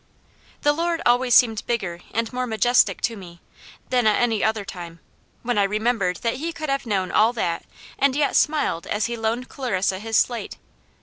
The Lord always seemed bigger and more majestic to me, than at any other time, when I remembered that He could have known all that, and yet smiled as He loaned Clarissa His slate.